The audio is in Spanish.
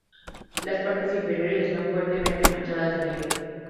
Las partes inferiores están fuertemente manchadas de negro.